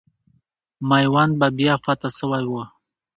میوند به بیا فتح سوی وو.